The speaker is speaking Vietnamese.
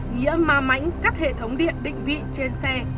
nghĩa ma mãnh cắt hệ thống điện định vị trên xe